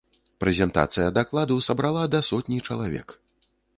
Прэзентацыя дакладу сабрала да сотні чалавек.